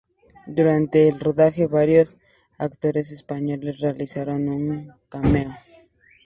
Durante el rodaje, varios actores españoles realizaron un cameo.